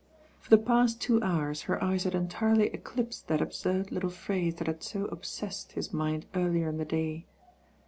IFor the past two hours her eyes had entirely eclipsed that absurd little phrase that had so ob sessed his mind earlier in the day.